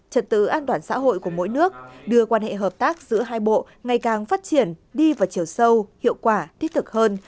trật tự an toàn xã hội của mỗi nước đưa quan hệ hợp tác giữa hai bộ ngày càng phát triển đi vào chiều sâu hiệu quả thiết thực hơn